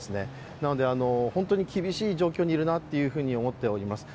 なので、本当に厳しい状況にいるなと思っております。